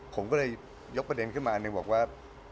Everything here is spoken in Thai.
ผมก็เลยยกประเด็นขึ้นมาหนึ่งบอกว่า